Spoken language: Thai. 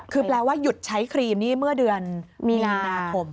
คือแปลว่าหยุดใช้ครีมนี่เมื่อเดือนมีนาคม